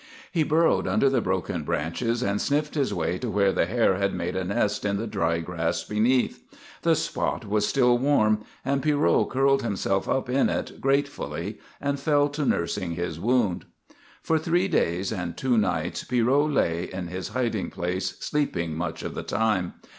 He burrowed under the broken branches and sniffed his way to where the hare had made a nest in the dry grass beneath. The spot was still warm, and Pierrot curled himself up in it gratefully and fell to nursing his wound. For three days and two nights Pierrot lay in his hiding place, sleeping much of the time.